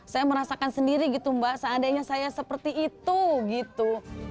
saya merasakan sendiri gitu mbak seandainya saya seperti itu gitu